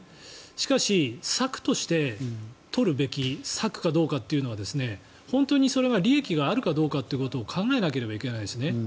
しかし策として取るべき策かどうかというのは本当にそれが利益があるかどうかということを考えなければいけないんです。